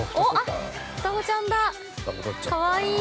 ◆双子ちゃんだ、かわいい。